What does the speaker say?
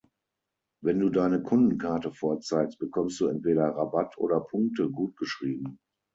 Wenn du deine Kundenkarte vorzeigst, bekommst du entweder Rabatt oder Punkte gutgeschrieben.